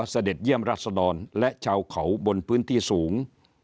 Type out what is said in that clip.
เสด็จเยี่ยมรัศดรและชาวเขาบนพื้นที่สูง